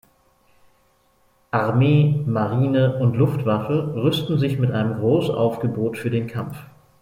Armee, Marine und Luftwaffe rüsten sich mit einem Großaufgebot für den Kampf.